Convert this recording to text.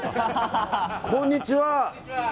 こんにちは。